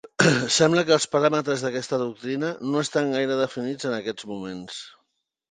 Sembla que els paràmetres d'aquesta doctrina no estan gaire definits en aquests moments.